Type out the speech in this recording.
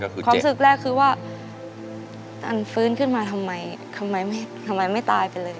ความรู้สึกแรกคือว่าอันฟื้นขึ้นมาทำไมทำไมไม่ตายไปเลย